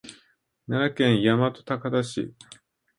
奈良県大和高田市